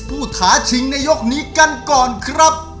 ท้าชิงในยกนี้กันก่อนครับ